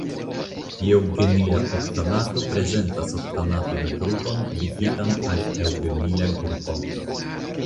Eŭgenila oktanato prezentas oktanatan grupon ligitan al eŭgenila grupo.